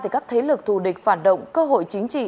các thế lực thù địch phản động cơ hội chính trị